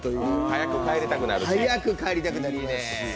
早く帰りたくなる。